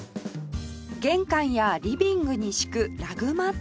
玄関やリビングに敷くラグマット